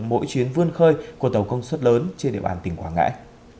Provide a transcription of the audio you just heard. mỗi chuyến vươn khơi của tàu công suất lớn trên địa bàn tỉnh quảng ngãi